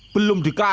belum dikasih kok